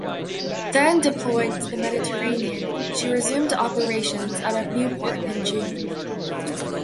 Then deployed to the Mediterranean, she resumed operations out of Newport in June.